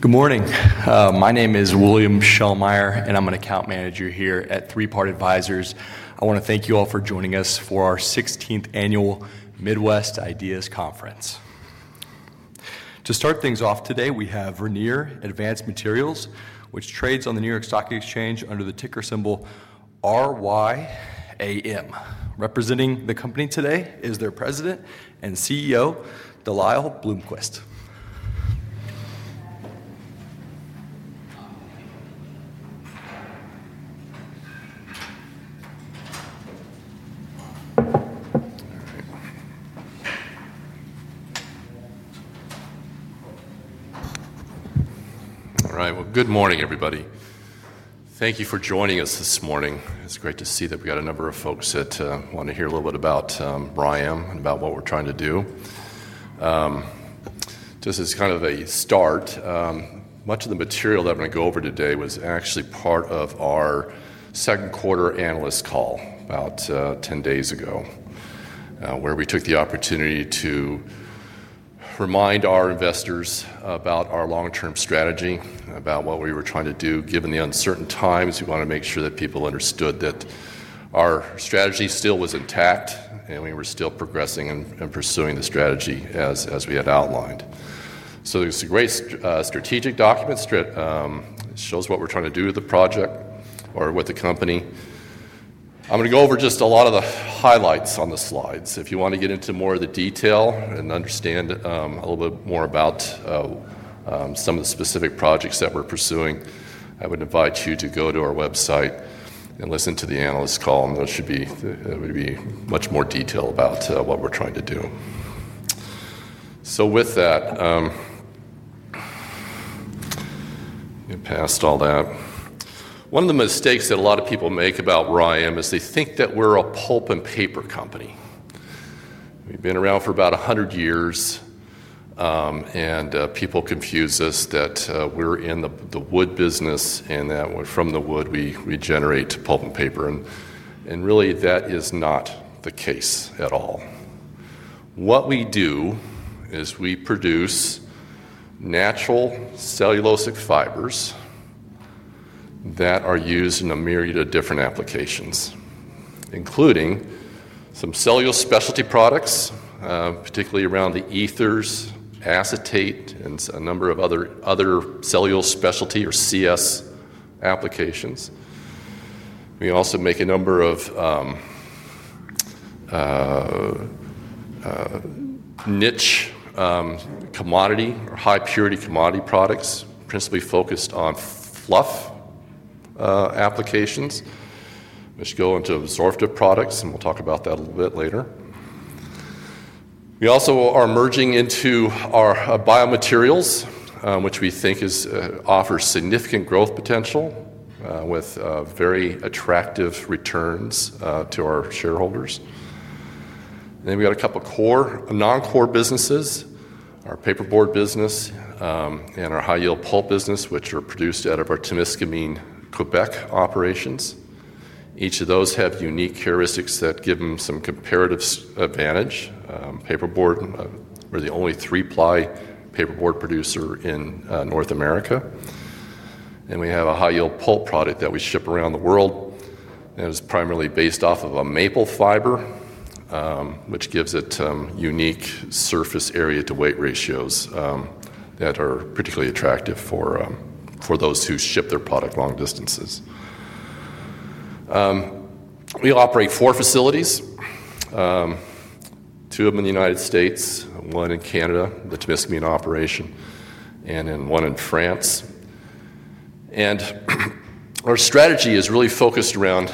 Good morning. My name is William Shelmire, and I'm an Account Manager here at Three Part Advisors. I want to thank you all for joining us for our 16th annual Midwest Ideas Conference. To start things off today, we have Rayonier Advanced Materials, which trades on the New York Stock Exchange under the ticker symbol RYAM. Representing the company today is their President and CEO, De Lyle Bloomquist. Good morning, everybody. Thank you for joining us this morning. It's great to see that we got a number of folks that want to hear a little bit about RYAM and about what we're trying to do. Just as kind of a start, much of the material that I'm going to go over today was actually part of our second quarter analyst call, about 10 days ago, where we took the opportunity to remind our investors about our long-term strategy, about what we were trying to do. Given the uncertain times, we wanted to make sure that people understood that our strategy still was intact and we were still progressing and pursuing the strategy as we had outlined. It's a great strategic document that shows what we're trying to do with the project or with the company. I'm going to go over just a lot of the highlights on the slides. If you want to get into more of the detail and understand a little bit more about some of the specific projects that we're pursuing, I would invite you to go to our website and listen to the analyst call, and there should be much more detail about what we're trying to do. With that, one of the mistakes that a lot of people make about RYAM is they think that we're a pulp and paper company. We've been around for about 100 years, and people confuse us that we're in the wood business and that from the wood we generate pulp and paper. That is not the case at all. What we do is we produce natural cellulosic fibers that are used in a myriad of different applications, including some cellulose specialties products, particularly around the ethers, acetate, and a number of other cellulose specialties or CS applications. We also make a number of niche commodity or high-purity commodity products, principally focused on fluff applications, which go into absorptive products, and we'll talk about that a little bit later. We also are merging into our biomaterials, which we think offers significant growth potential with very attractive returns to our shareholders. We got a couple of core non-core businesses, our paperboard business and our high-yield pulp business, which are produced out of our Temiskaming, Quebec operations. Each of those have unique characteristics that give them some comparative advantage. Paperboard, we're the only three-ply paperboard producer in North America, and we have a high-yield pulp product that we ship around the world. It is primarily based off of a maple fiber, which gives it unique surface area-to-weight ratios that are particularly attractive for those who ship their product long distances. We operate four facilities, two of them in the United States, one in Canada, the Temiskaming operation, and one in France. Our strategy is really focused around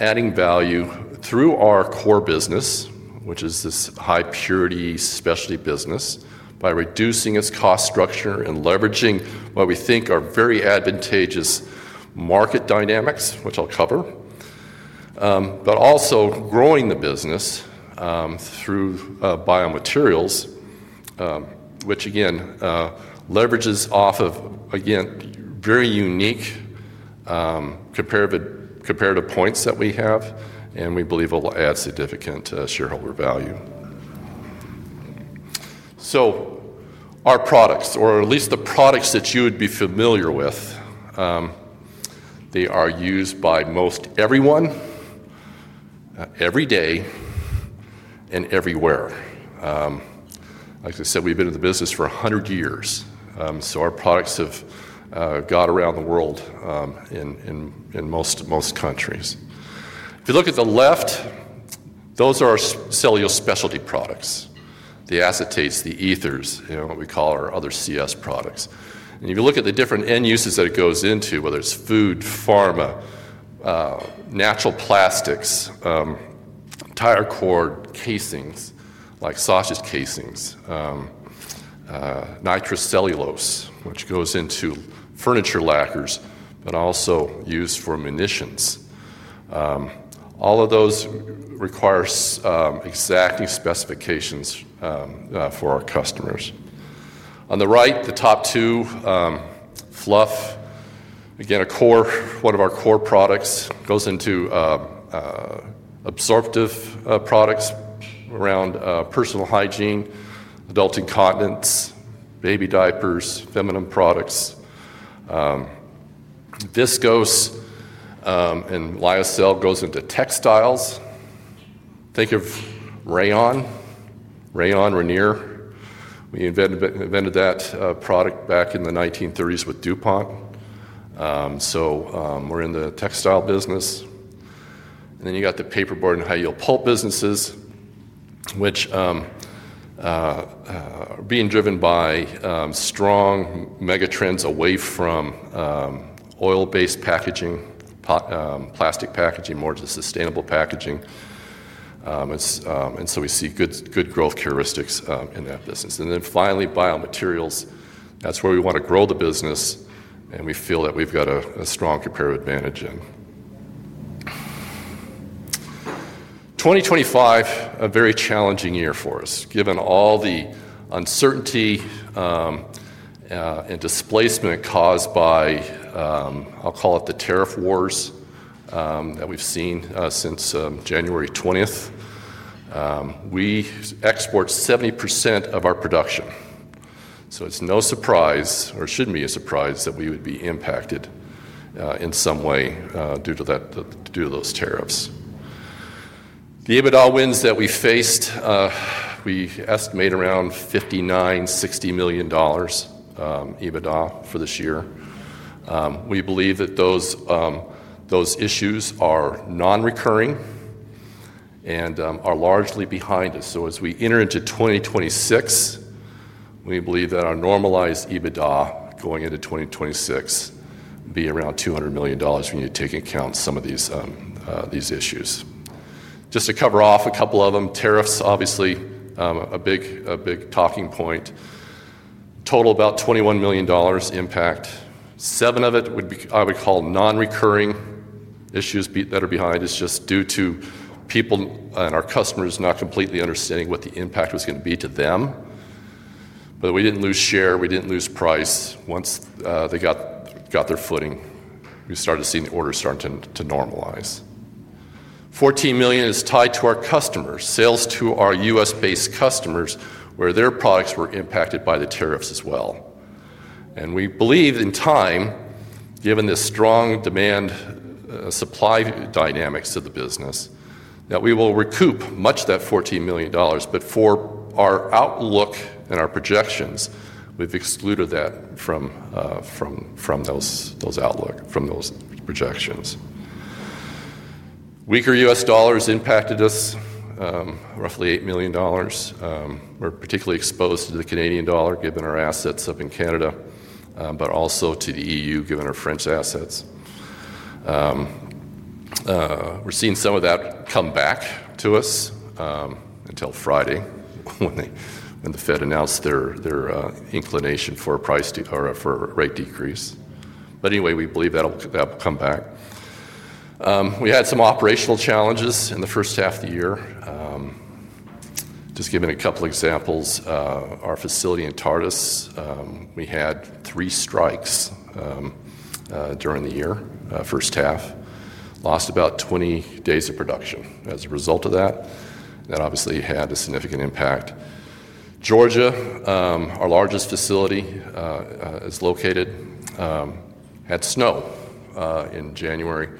adding value through our core business, which is this high-purity specialty business, by reducing its cost structure and leveraging what we think are very advantageous market dynamics, which I'll cover, but also growing the business through biomaterials, which again leverages off of, again, very unique comparative points that we have, and we believe it will add significant shareholder value. Our products, or at least the products that you would be familiar with, they are used by most everyone, every day, and everywhere. Like I said, we've been in the business for 100 years, so our products have gone around the world in most countries. If you look at the left, those are our cellulose specialty products, the acetates, the ethers, and what we call our other CS products. You can look at the different end uses that it goes into, whether it's food, pharma, natural plastics, entire cord casings like sausage casings, nitrocellulose, which goes into furniture lockers, but also used for munitions. All of those require exact new specifications for our customers. On the right, the top two, fluff, again, a core, one of our core products goes into absorptive products around personal hygiene, adult incontinence, baby diapers, feminine products. Viscose and lyocell goes into textiles. Think of Rayon...Rayon, Ranier. We invented that product back in the 1930s with DuPont. We're in the textile business. You got the paperboard and high-yield pulp businesses, which are being driven by strong megatrends away from oil-based packaging, plastic packaging, more to sustainable packaging. We see good growth characteristics in that business. Finally, biomaterials, that's where we want to grow the business, and we feel that we've got a strong comparative advantage in. 2025, a very challenging year for us, given all the uncertainty and displacement caused by, I'll call it the tariff wars that we've seen since January 20th. We export 70% of our production. It's no surprise, or shouldn't be a surprise, that we would be impacted in some way due to those tariffs. The EBITDA headwinds that we faced, we estimate around $59 million-$60 million EBITDA for this year. We believe that those issues are non-recurring and are largely behind us. As we enter into 2026, we believe that our normalized EBITDA going into 2026 will be around $200 million when you take into account some of these issues. Just to cover off a couple of them, tariffs, obviously, a big talking point. Total about $21 million impact. Seven of it would be, I would call, non-recurring issues that are behind us just due to people and our customers not completely understanding what the impact was going to be to them. We didn't lose share. We didn't lose price. Once they got their footing, we started seeing the orders starting to normalize. $14 million is tied to our customers, sales to our U.S.-based customers, where their products were impacted by the tariffs as well. We believe in time, given the strong demand-supply dynamics of the business, that we will recoup much of that $14 million. For our outlook and our projections, we've excluded that from those projections. Weaker U.S. dollars impacted us, roughly $8 million. We're particularly exposed to the Canadian dollar, given our assets up in Canada, but also to the EU, given our French assets. We're seeing some of that come back to us until Friday when the Fed announced their inclination for a rate decrease. We believe that will come back. We had some operational challenges in the first half of the year. Just giving a couple of examples, our facility in France, we had three strikes during the year, first half. Lost about 20 days of production as a result of that. That obviously had a significant impact. Georgia, where our largest facility is located, had snow in January.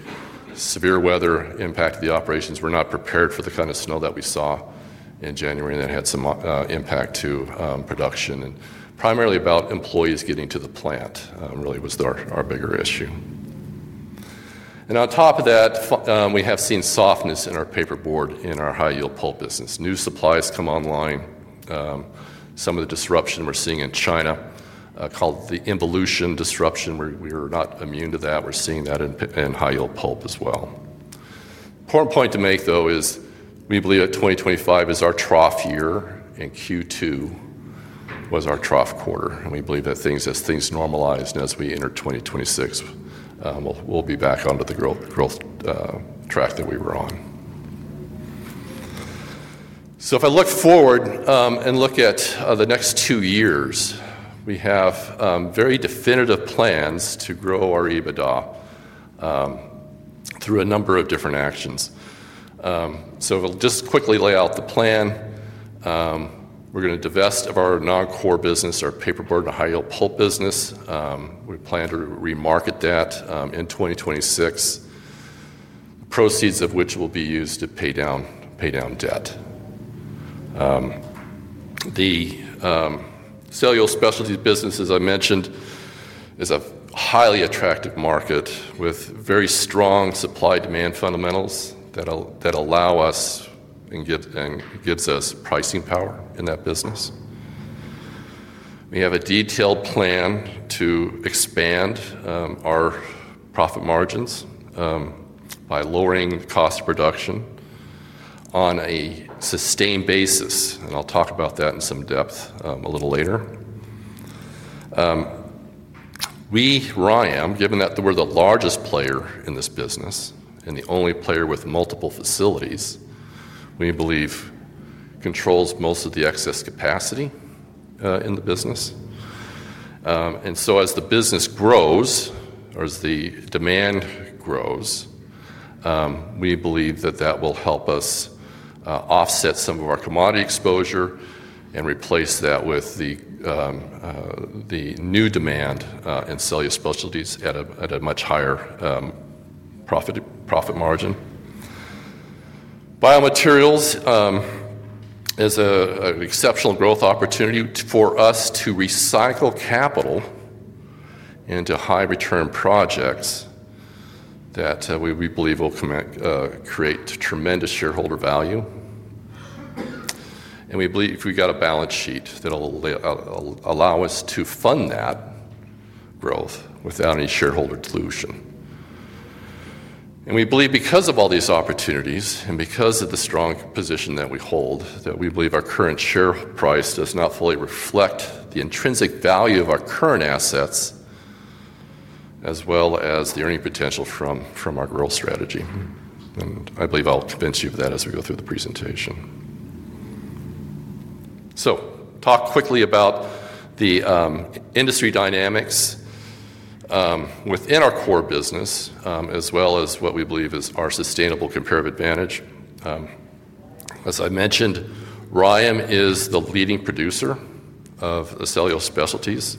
Severe weather impacted the operations. We're not prepared for the kind of snow that we saw in January. That had some impact to production, and primarily about employees getting to the plant really was our bigger issue. On top of that, we have seen softness in our paperboard and our high-yield pulp business. New supplies come online. Some of the disruption we're seeing in China, called the evolution disruption, we're not immune to that. We're seeing that in high-yield pulp as well. An important point to make, though, is we believe that 2025 is our trough year, and Q2 was our trough quarter. We believe that as things normalize and as we enter 2026, we'll be back onto the growth track that we were on. If I look forward and look at the next two years, we have very definitive plans to grow our EBITDA through a number of different actions. We'll just quickly lay out the plan. We're going to divest our non-core business, our paperboard and high-yield pulp business. We plan to remarket that in 2026, proceeds of which will be used to pay down debt. The cellulose specialties business, as I mentioned, is a highly attractive market with very strong supply-demand fundamentals that allow us and give us pricing power in that business. We have a detailed plan to expand our profit margins by lowering cost of production on a sustained basis. I'll talk about that in some depth a little later. We at RYAM, given that we're the largest player in this business and the only player with multiple facilities, believe we control most of the excess capacity in the business. As the business grows or as the demand grows, we believe that will help us offset some of our commodity exposure and replace that with the new demand in cellulose specialties at a much higher profit margin. Biomaterials is an exceptional growth opportunity for us to recycle capital into high-return projects that we believe will create tremendous shareholder value. We believe we've got a balance sheet that will allow us to fund that growth without any shareholder dilution. We believe because of all these opportunities and because of the strong position that we hold, our current share price does not fully reflect the intrinsic value of our current assets as well as the earning potential from our growth strategy. I believe I'll convince you of that as we go through the presentation. I'll talk quickly about the industry dynamics within our core business, as well as what we believe is our sustainable comparative advantage. As I mentioned, RYAM is the leading producer of cellulose specialties.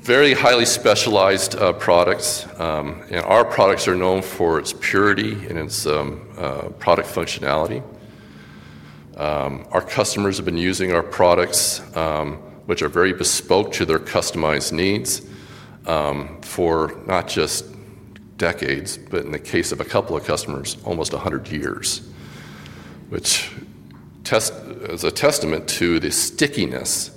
Very highly specialized products. Our products are known for its purity and its product functionalityc Our customers have been using our products, which are very bespoke to their customized needs for not just decades, but in the case of a couple of customers, almost 100 years, which is a testament to the stickiness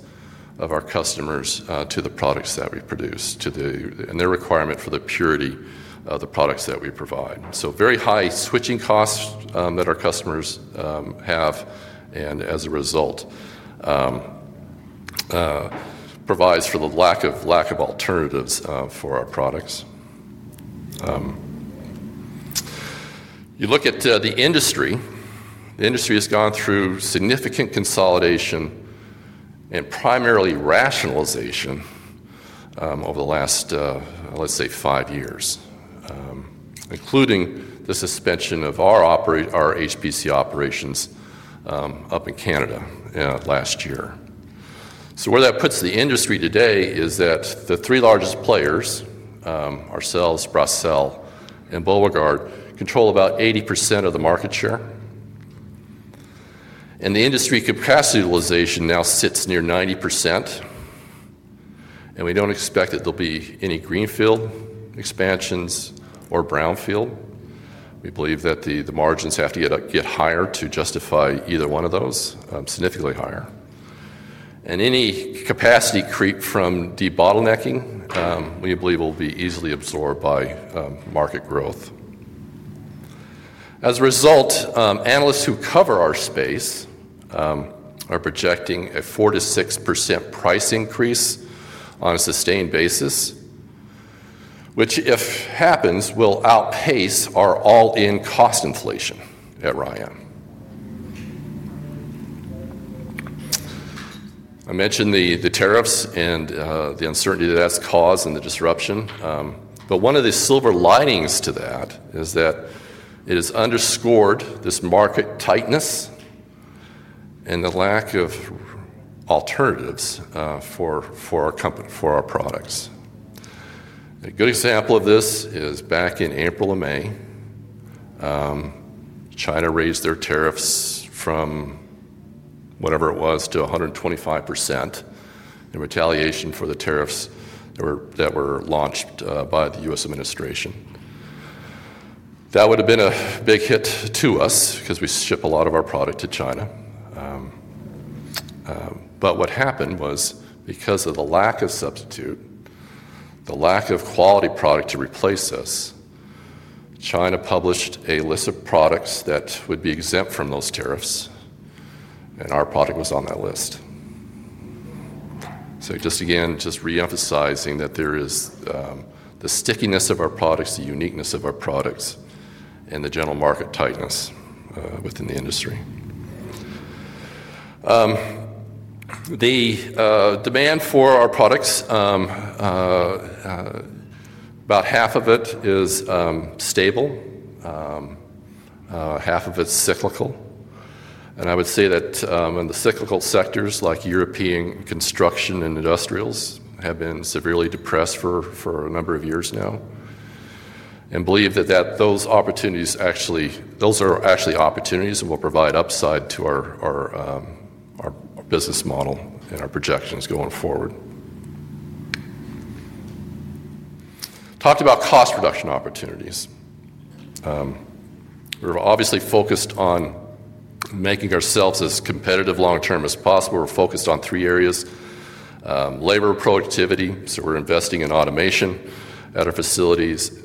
of our customers to the products that we produce and their requirement for the purity of the products that we provide. Very high switching costs that our customers have, and as a result, provides for the lack of alternatives for our products. You look at the industry, the industry has gone through significant consolidation and primarily rationalization over the last, let's say, five years, including the suspension of our HPC operations up in Canada last year. Where that puts the industry today is that the three largest players, ourselves, Brasell, and Borregaard, control about 80% of the market share. The industry capacity utilization now sits near 90%. We don't expect that there'll be any greenfield expansions or brownfield. We believe that the margins have to get higher to justify either one of those, significantly higher. Any capacity creep from de-bottlenecking, we believe, will be easily absorbed by market growth. As a result, analysts who cover our space are projecting a 4%-6% price increase on a sustained basis, which if happens, will outpace our all-in cost inflation at RYAM. I mentioned the tariffs and the uncertainty that's caused and the disruption. One of the silver linings to that is that it has underscored this market tightness and the lack of alternatives for our products. A good example of this is back in April or May, China raised their tariffs from whatever it was to 125% in retaliation for the tariffs that were launched by the U.S. administration. That would have been a big hit to us because we ship a lot of our product to China. What happened was because of the lack of substitute, the lack of quality product to replace us, China published a list of products that would be exempt from those tariffs, and our product was on that list. Just again, just reemphasizing that there is the stickiness of our products, the uniqueness of our products, and the general market tightness within the industry. The demand for our products, about half of it is stable, half of it is cyclical. I would say that in the cyclical sectors, like European construction and industrials, have been severely depressed for a number of years now and believe that those opportunities actually, those are actually opportunities that will provide upside to our business model and our projections going forward. Talked about cost reduction opportunities. We're obviously focused on making ourselves as competitive long-term as possible. We're focused on three areas: labor, productivity, so we're investing in automation at our facilities,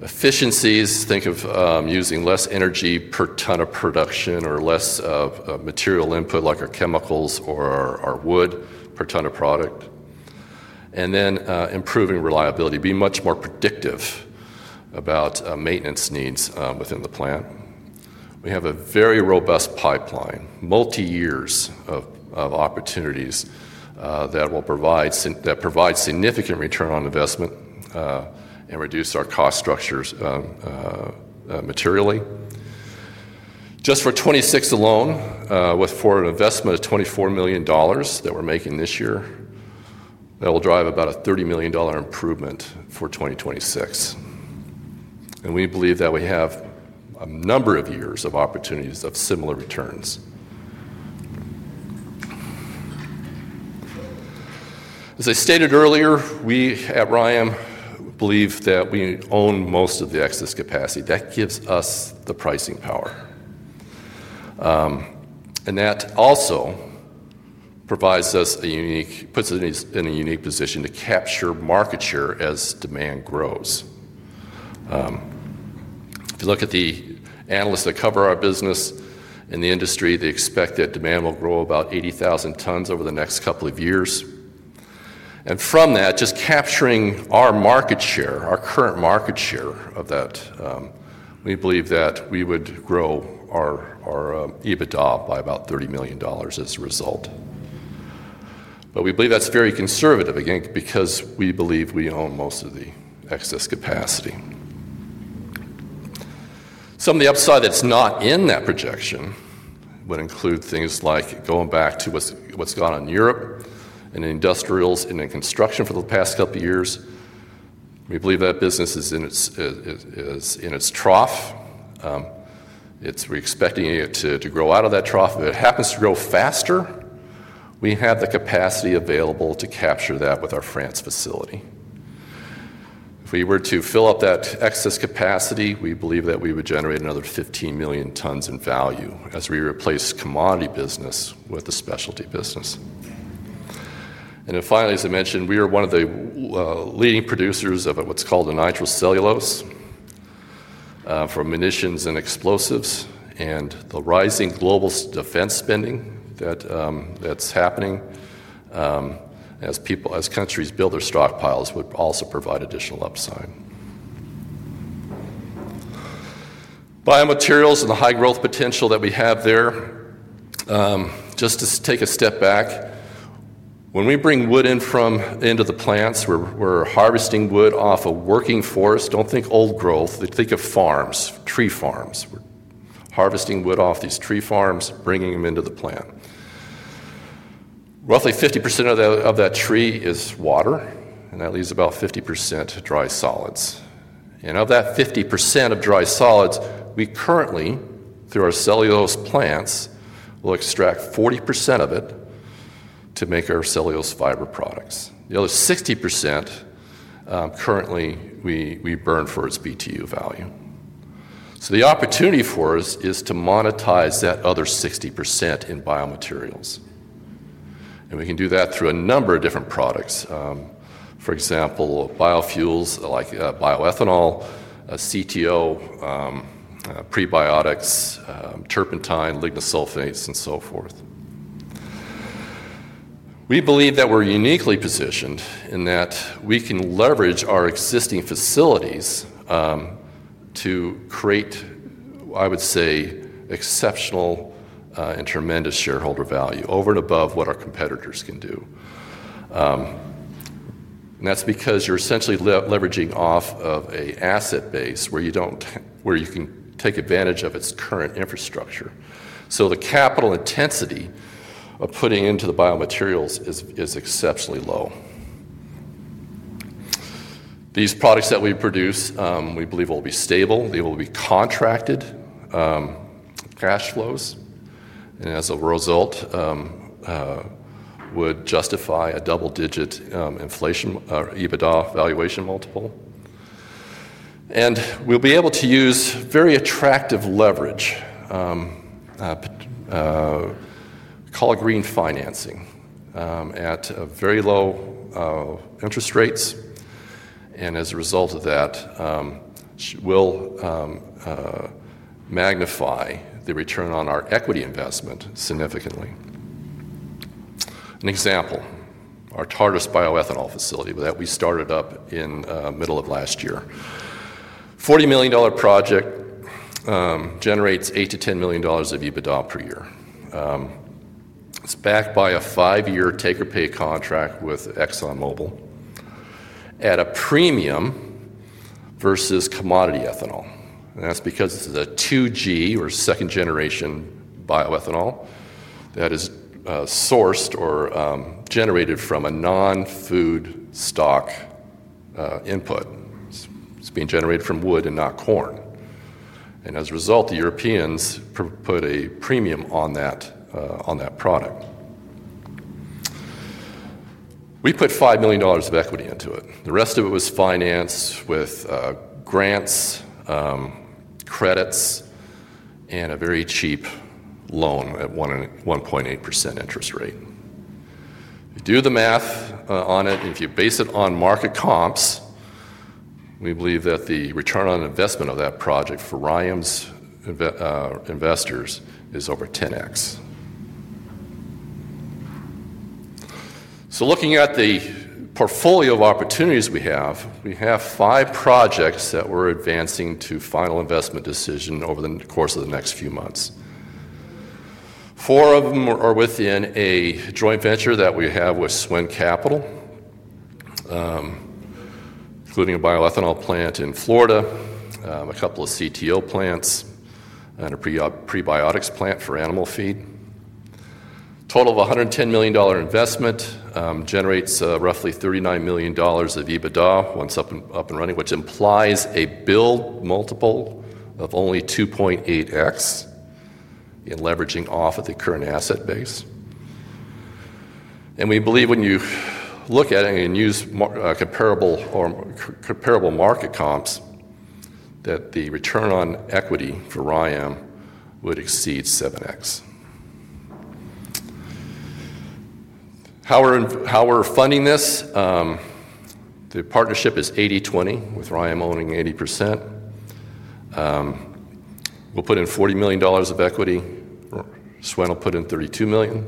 efficiencies, think of using less energy per ton of production or less material input like our chemicals or our wood per ton of product, and then improving reliability, being much more predictive about maintenance needs within the plant. We have a very robust pipeline, multi-years of opportunities that will provide significant return on investment and reduce our cost structures materially. Just for 2026 alone, with for an investment of $24 million that we're making this year, that will drive about a $30 million improvement for 2026. We believe that we have a number of years of opportunities of similar returns. As I stated earlier, we at RYAM believe that we own most of the excess capacity. That gives us the pricing power. That also provides us a unique, puts us in a unique position to capture market share as demand grows. If you look at the analysts that cover our business and the industry, they expect that demand will grow about 80,000 tons over the next couple of years. From that, just capturing our market share, our current market share of that, we believe that we would grow our EBITDA by about $30 million as a result. We believe that's very conservative, again, because we believe we own most of the excess capacity. Some of the upside that's not in that projection would include things like going back to what's gone on in Europe and in industrials and in construction for the past couple of years. We believe that business is in its trough. We're expecting it to grow out of that trough. If it happens to grow faster, we have the capacity available to capture that with our France facility. If we were to fill up that excess capacity, we believe that we would generate another 15 million tons in value as we replace commodity business with the specialty business. Finally, as I mentioned, we are one of the leading producers of what's called nitrocellulose for munitions and explosives, and the rising global defense spending that's happening as countries build their stockpiles also provides additional upside. Biomaterials and the high growth potential that we have there, just to take a step back, when we bring wood into the plants, we're harvesting wood off a working forest. Don't think old growth. Think of farms, tree farms. We're harvesting wood off these tree farms, bringing them into the plant. Roughly 50% of that tree is water, and that leaves about 50% dry solids. Of that 50% of dry solids, we currently, through our cellulose plants, will extract 40% of it to make our cellulose fiber products. The other 60% currently we burn for its BTU value. The opportunity for us is to monetize that other 60% in biomaterials. We can do that through a number of different products. For example, biofuels like bioethanol, crude tall oil, prebiotics, turpentine, lignosulfonates, and so forth. We believe that we're uniquely positioned in that we can leverage our existing facilities to create, I would say, exceptional and tremendous shareholder value over and above what our competitors can do. That's because you're essentially leveraging off of an asset base where you can take advantage of its current infrastructure. The capital intensity of putting into the biomaterials is exceptionally low. These products that we produce, we believe, will be stable. They will be contracted cash flows, and as a result, would justify a double-digit inflation or EBITDA valuation multiple. We'll be able to use very attractive leverage, call it green financing, at very low interest rates. As a result of that, we'll magnify the return on our equity investment significantly. An example, our Tartas bioethanol facility that we started up in the middle of last year. A $40 million project generates $8 million-$10 million of EBITDA per year. It's backed by a five-year take-or-pay contract with ExxonMobil at a premium versus commodity ethanol. That's because this is a second-generation bioethanol that is sourced or generated from a non-food stock input. It's being generated from wood and not corn. As a result, the Europeans put a premium on that product. We put $5 million of equity into it. The rest of it was financed with grants, credits, and a very cheap loan at 1.8% interest rate. If you do the math on it, and if you base it on market comps, we believe that the return on investment of that project for RYAM's investors is over 10x. Looking at the portfolio of opportunities we have, we have five projects that we're advancing to final investment decision over the course of the next few months. Four of them are within a joint venture that we have with Swing Capital, including a bioethanol plant in Florida, a couple of CTO plants, and a prebiotics plant for animal feed. A total of $110 million investment generates roughly $39 million of EBITDA once up and running, which implies a build multiple of only 2.8x in leveraging off of the current asset base. We believe when you look at it and use comparable market comps, that the return on equity for RYAM would exceed 7x. How we're funding this, the partnership is 80/20 with RYAM owning 80%. We'll put in $40 million of equity. Swing will put in $32 million.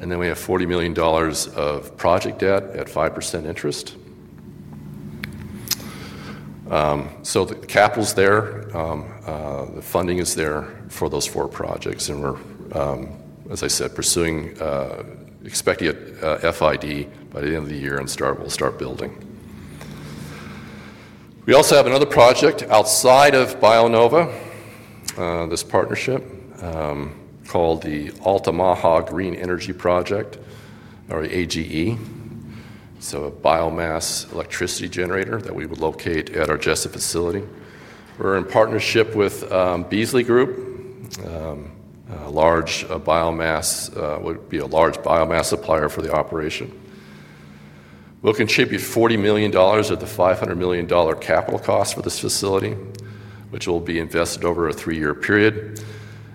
We have $40 million of project debt at 5% interest. The capital's there. The funding is there for those four projects. We're pursuing, expecting a FID by the end of the year and we'll start building. We also have another project outside of BioNova, this partnership called the Altamaha Green Energy Project, or the AGE, a biomass electricity generator that we would locate at our Jesup facility. We're in partnership with Beasley Group, a large biomass supplier for the operation. We'll contribute $40 million/$500 million capital cost for this facility, which will be invested over a three-year period.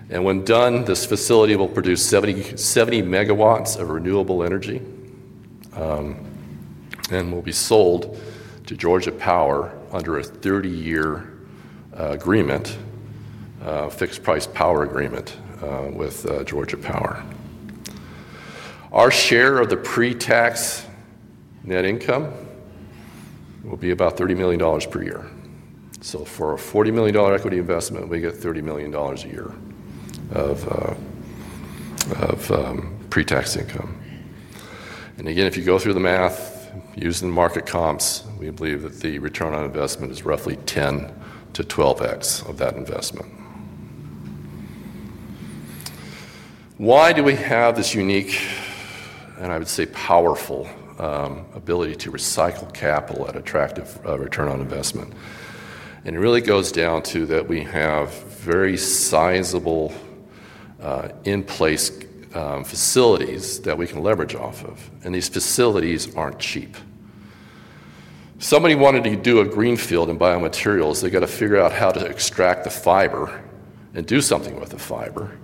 When done, this facility will produce 70 MW of renewable energy and will be sold to Georgia Power under a 30-year agreement, a fixed-price power agreement with Georgia Power. Our share of the pre-tax net income will be about $30 million per year. For a $40 million equity investment, we get $30 million a year of pre-tax income. If you go through the math, using market comps, we believe that the return on investment is roughly 10x-12x of that investment. Why do we have this unique, and I would say powerful, ability to recycle capital at attractive return on investment? It really goes down to that we have very sizable in-place facilities that we can leverage off of. These facilities aren't cheap. If somebody wanted to do a greenfield in biomaterials, they've got to figure out how to extract the fiber and do something with the fiber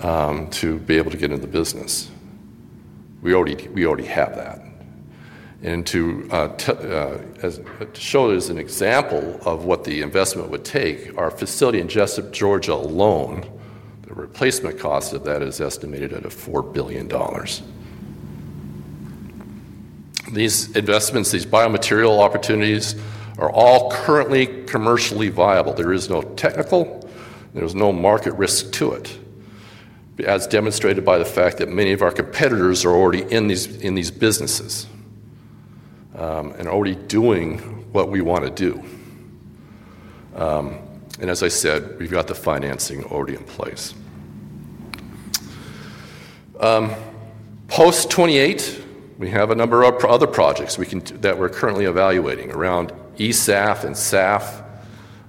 to be able to get into the business. We already have that. To show it as an example of what the investment would take, our facility in Jesup, Georgia alone, the replacement cost of that is estimated at $4 billion. These investments, these biomaterial opportunities are all currently commercially viable. There is no technical, there's no market risk to it, as demonstrated by the fact that many of our competitors are already in these businesses and already doing what we want to do. We've got the financing already in place. Post-2028, we have a number of other projects that we're currently evaluating, around ESAF and SAF,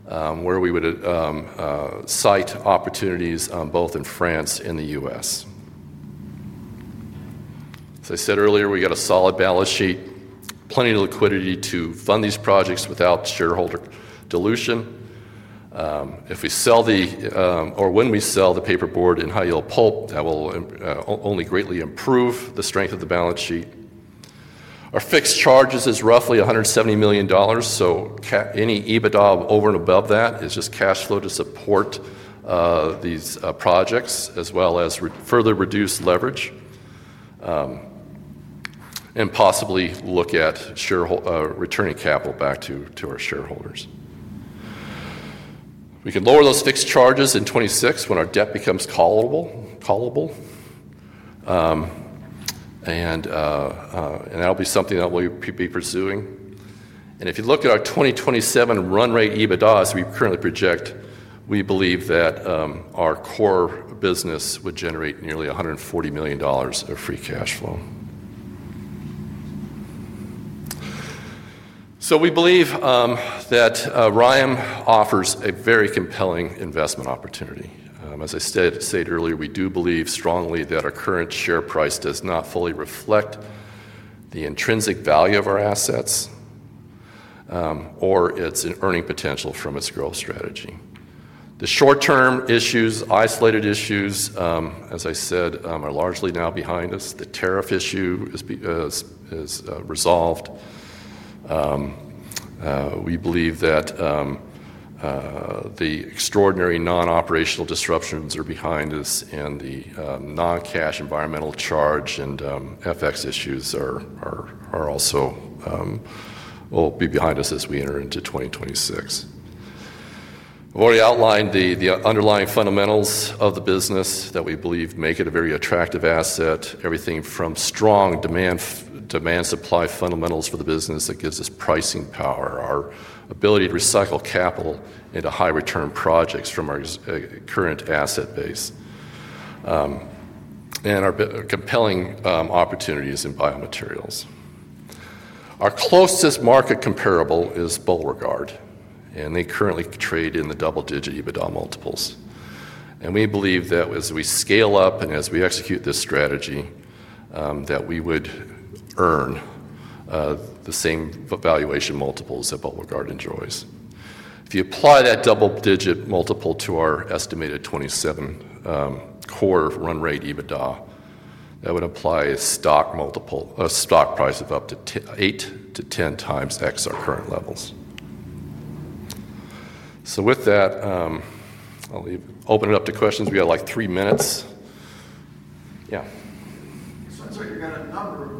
where we would site opportunities both in France and the U.S. We got a solid balance sheet, plenty of liquidity to fund these projects without shareholder dilution. If we sell the, or when we sell the paperboard and high-yield pulp, that will only greatly improve the strength of the balance sheet. Our fixed charge is roughly $170 million. Any EBITDA over and above that is just cash flow to support these projects, as well as further reduced leverage, and possibly look at returning capital back to our shareholders. We can lower those fixed charges in 2026 when our debt becomes callable. That'll be something that we'll be pursuing. If you look at our 2027 run rate EBITDA as we currently project, we believe that our core business would generate nearly $140 million of free cash flow. We believe that RYAM offers a very compelling investment opportunity. We do believe strongly that our current share price does not fully reflect the intrinsic value of our assets or its earning potential from its growth strategy. The short-term issues, isolated issues, are largely now behind us. The tariff issue is resolved. We believe that the extraordinary non-operational disruptions are behind us, and the non-cash environmental charge and FX issues also will be behind us as we enter into 2026. I've already outlined the underlying fundamentals of the business that we believe make it a very attractive asset, everything from strong demand supply fundamentals for the business that gives us pricing power, our ability to recycle capital into high-return projects from our current asset base, and our compelling opportunities in biomaterials. Our closest market comparable is Borregaard, and they currently trade in the double-digit EBITDA multiples. We believe that as we scale up and as we execute this strategy, we would earn the same valuation multiples that Borregaard enjoys. If you apply that double-digit multiple to our estimated 2027 core run rate EBITDA, that would apply a stock price of up to 8x-10x our current levels. I'll open it up to questions. We have like three minutes. Yeah. You've got a number of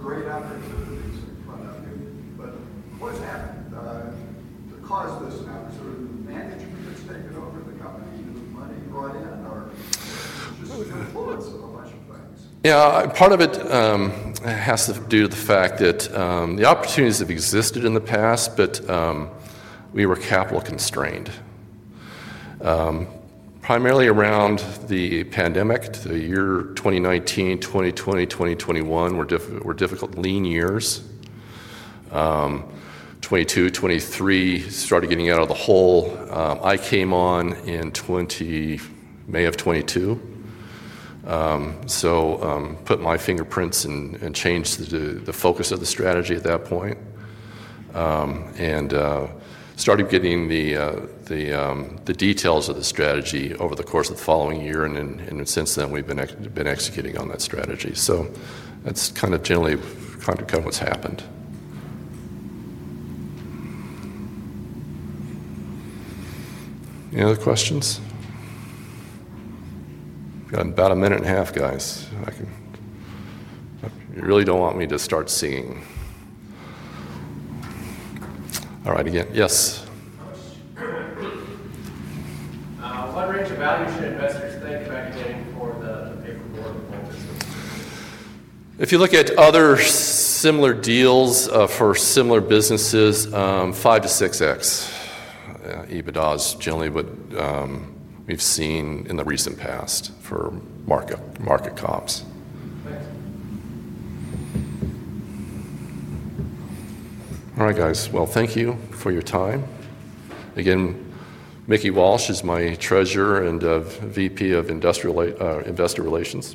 great opportunities, but what's happened? The cause of this now, the management has taken over the company, the money and volume? Yeah, part of it has to do with the fact that the opportunities have existed in the past, but we were capital constrained. Primarily around the pandemic, the years 2019, 2020, 2021 were difficult, lean years. 2022, 2023 started getting out of the hole. I came on in May of 2022, so put my fingerprints and changed the focus of the strategy at that point and started getting the details of the strategy over the course of the following year. Since then, we've been executing on that strategy. That's kind of generally what's happened. Any other questions? We've got about a minute and a half, guys. I really don't want me to start singing. All right, again, yes. What range of value? If you look at other similar deals for similar businesses, 5x-6x EBITDA is generally what we've seen in the recent past for market comps. Thank you for your time. Again, Mickey Walsh is my Treasurer and VP of Investor Relations.